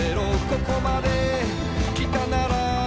「ここまで来たなら」